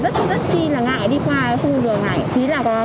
thậm chí là có con đi cùng nữa thì rất là ngại đi qua khu đường này